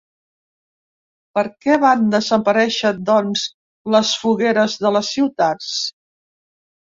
Perquè van desaparèixer, doncs, les fogueres de les ciutats?